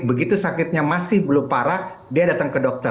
begitu sakitnya masih belum parah dia datang ke dokter